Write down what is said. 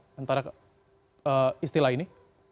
bagaimana istilah ini